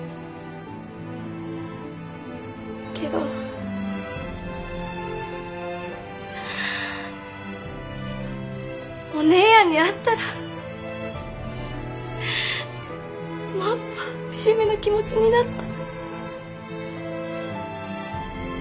けどお姉やんに会ったらもっと惨めな気持ちになった。